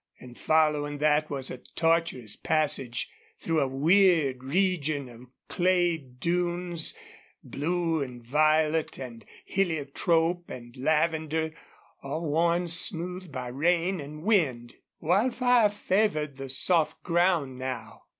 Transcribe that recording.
And following that was a tortuous passage through a weird region of clay dunes, blue and violet and heliotrope and lavender, all worn smooth by rain and wind. Wildfire favored the soft ground now.